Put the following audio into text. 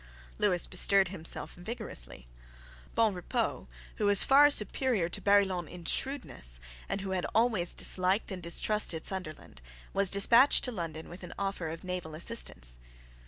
Lewis bestirred himself vigorously. Bonrepaux, who was far superior to Barillon in shrewdness, and who had always disliked and distrusted Sunderland, was despatched to London with an offer of naval assistance.